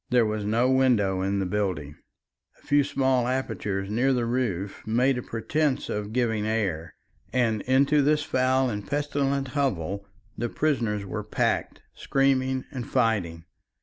There was no window in the building; a few small apertures near the roof made a pretence of giving air, and into this foul and pestilent hovel the prisoners were packed, screaming and fighting.